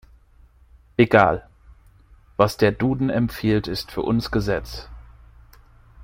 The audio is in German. Egal. Was der Duden empfiehlt, ist für uns Gesetz.